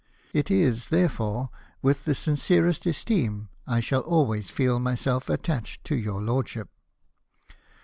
It is, therefore, with the sincerest esteem I shall always feel myself at tached to your lordship."